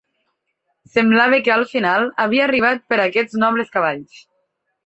Semblava que el final havia arribat per a aquests nobles cavalls.